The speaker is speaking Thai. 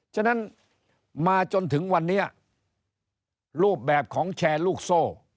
ฉะนั้นมาจนถึงวันนี้รูปแบบของแชร์ลูกโซ่